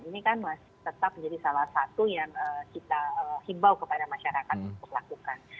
ini kan masih tetap menjadi salah satu yang kita himbau kepada masyarakat untuk lakukan